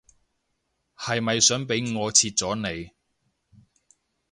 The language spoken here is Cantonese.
係咪想俾我切咗你